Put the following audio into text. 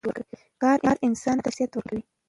کار انسان ته شخصیت ورکوي.